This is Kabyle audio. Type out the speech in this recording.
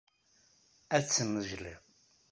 Ad tennejliḍ.